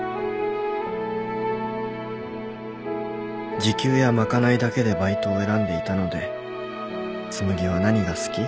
時給や賄いだけでバイトを選んでいたので紬は何が好き？